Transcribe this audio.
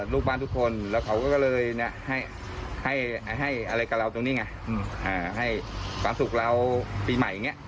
ลูกบ้านทุกคนแล้วเขาก็เลยให้อะไรกับเราตรงนี้ไงให้ความสุขเราปีใหม่อย่างนี้